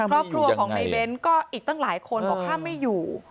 ครอบครัวของในเบ้นก็อีกตั้งหลายคนบอกห้ามไม่อยู่